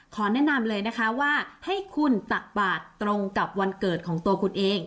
ขอแนะนำเลยนะคะว่าให้คุณตักบาทตรงกับวันเกิดของตัวคุณเอง